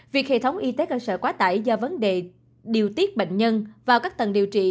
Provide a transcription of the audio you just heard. việc hệ thống y tế cơ sở quá tải do vấn đề điều tiết bệnh nhân vào các tầng điều trị